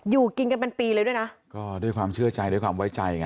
อยู่กินกันเป็นปีเลยด้วยนะก็ด้วยความเชื่อใจด้วยความไว้ใจไง